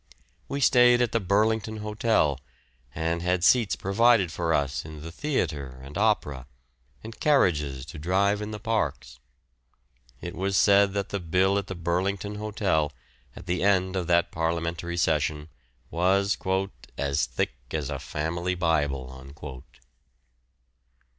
We stayed at the Burlington Hotel, and had seats provided for us in the theatre and opera, and carriages to drive in the parks. It was said that the bill at the Burlington Hotel, at the end of that Parliamentary session, was "as thick as a family Bible."